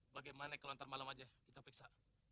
bagaimana kalau nanti malam aja kita periksa